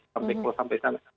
sampai kalau sampai sana